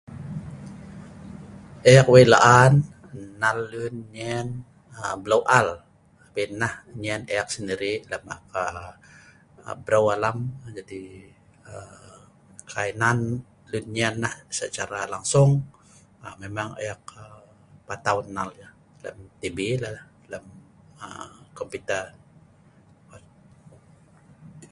Ek wei laan nnal lun nyen bleu aal, abin nah nyen ek sendiri lem ek breu alam jadi kai nan lun nyen nah secara langsung memang ek patau nnal lem TV,lem komputer